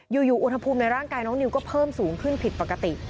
อยู่อุณหภูมิในร่างกายน้องนิวก็เพิ่มสูงขึ้นผิดปกติ